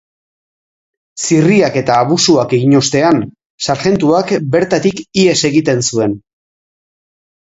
Zirriak edo abusuak egin ostean, sarjentuak bertatik ihes egiten zuen.